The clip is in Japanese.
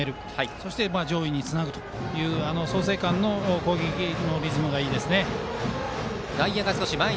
そして上位につなぐという創成館の攻撃のリズムがいいですね。